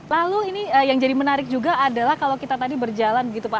lalu ini yang jadi menarik juga adalah kalau kita tadi berjalan begitu pak